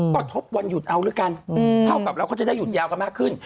ก็ทบวันหยุดเอาแล้วกันเท่ากับเราก็จะได้หยุดยาวกันมากขึ้น